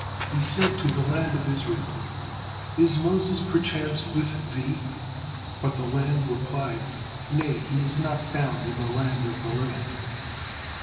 He said to the land of Israel, "Is Moses perchance with thee?" But the land replied, "Nay, he is not found in the land of the living."